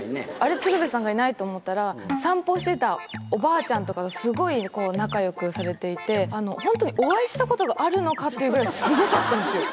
鶴瓶さんがいないと思ったら、散歩してたおばあちゃんとかと、すごい仲よくされていて、本当にお会いしたことがあるのかっていうぐらい、すごかったんですよ。